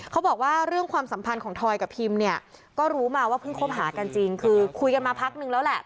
เขาบอกว่าเรื่องความสัมพันธ์ของทอยกับพิมเนี่ยก็รู้มาว่าเพิ่งคบหากันจริงคือคุยกันมาพักนึงแล้วแหละ